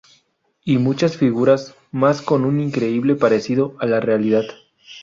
Y muchas figuras mas con un increíble parecido a la realidad.